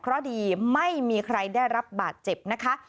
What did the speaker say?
เพราะดีไม่มีใครได้รับบาดเจ็บนะคะ